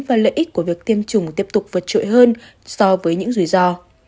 và lợi ích của việc tiêm chủng tiếp tục vượt trội hơn so với những rủi ro